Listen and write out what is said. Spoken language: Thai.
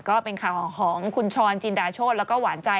ก็เป็นข่าวของคุณชรจินดาโชธแล้วก็หวานใจ